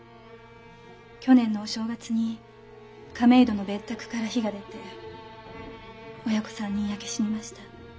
去年のお正月に亀戸の別宅から火が出て親子３人焼け死にました。